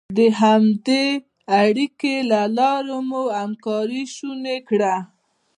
د همدې اړیکې له لارې مو همکاري شونې کړه.